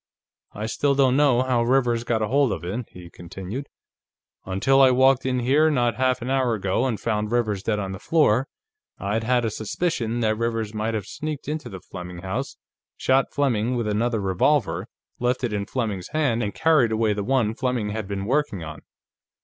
"I still don't know how Rivers got hold of it," he continued. "Until I walked in here not half an hour ago and found Rivers dead on the floor, I'd had a suspicion that Rivers might have sneaked into the Fleming house, shot Fleming with another revolver, left it in Fleming's hand and carried away the one Fleming had been working on.